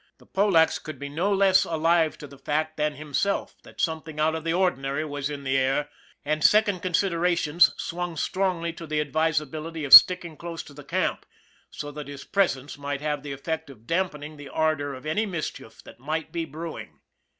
The Polacks could be no less alive to the fact than himself that something out of the ordinary was in the air, and second considerations swung strongly to the advisability of sticking close to the camp, so that his presence might have the effect of dampening the ardor of any mischief that might be brewing.